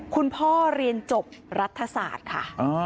คุณพ่อเรียนจบรัฐศาสตร์ค่ะ